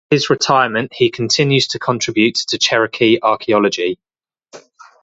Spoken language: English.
In his retirement he continues to contribute to Cherokee archaeology.